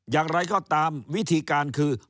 อย่างไรก็ตามวิธีการคือ